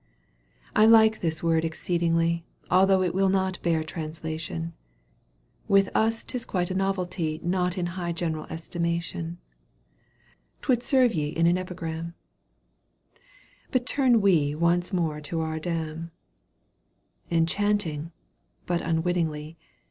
I like this word exceedingly Although it will not bear translation, With us 'tis quite a novelty Not high in general estimation ; 'Twould serve ye in an epigram — But turn we once more to our dame. Enchanting, but unwittingly.